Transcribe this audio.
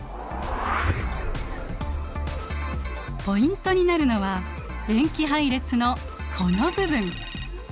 ポイントになるのは塩基配列のこの部分。